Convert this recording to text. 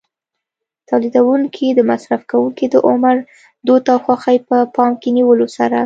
تولیدوونکي د مصرف کوونکو د عمر، دود او خوښۍ په پام کې نیولو سره.